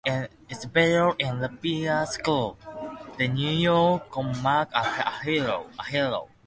Estudió en la "Juilliard School" de New York con Mack Harrell.